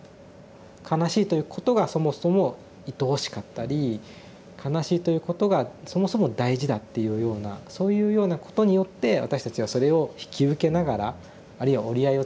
悲しいということがそもそもいとおしかったり悲しいということがそもそも大事だっていうようなそういうようなことによって私たちはそれを引き受けながらあるいは折り合いをつけながら生きていく。